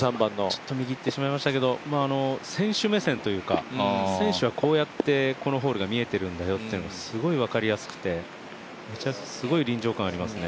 ちょっと右行ってしまいましたけど選手目線というか選手はこうやってこのホールが見えているんだよっていうのがすごい分かりやすくてすごい臨場感ありますね。